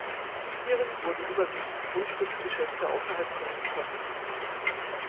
Hierin wurden überwiegend Grundstücksgeschäfte außerhalb Kölns vermerkt.